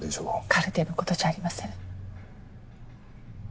カルテのことじゃありません。